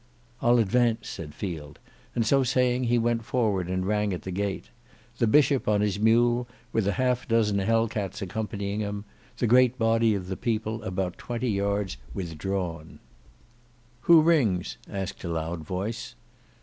"I'll advance," said Field, and so saying he went forward and rang at the gate; the Bishop, on his mule, with a dozen Hell cats accompanying him; the great body of the people about twenty yards withdrawn. "Who rings?" asked a loud voice.